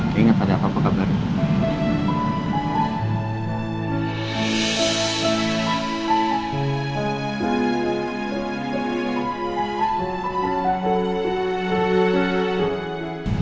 saya ingat ada apa apa kabarnya